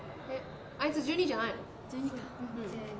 ・あいつ１２じゃないの？